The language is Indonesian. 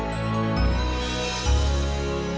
jangan lupa like share dan subscribe